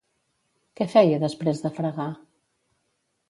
Què feia després de fregar?